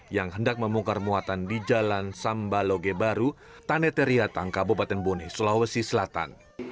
yang hendak memungkar muatan di jalan sambaloge baru taneteria tangka bupaten boneh sulawesi selatan